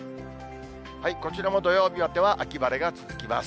こちらも土曜日までは秋晴れが続きます。